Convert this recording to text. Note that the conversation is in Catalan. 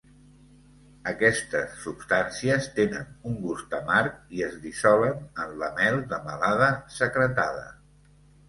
Aquestes substàncies tenen un gust amarg i es dissolen en la mel de melada secretada.